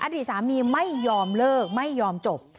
อดีตสามีไม่ยอมเลิกไม่ยอมจบ